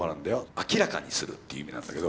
明らかにするっていう意味なんだけど。